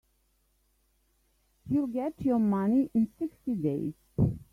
You'll get your money in sixty days.